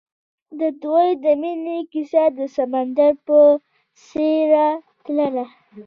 د دوی د مینې کیسه د سمندر په څېر تلله.